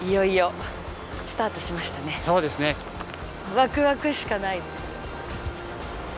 ワクワクしかない。